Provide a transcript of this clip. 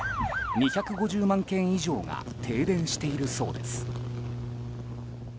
２５０万軒以上が停電しているそうです。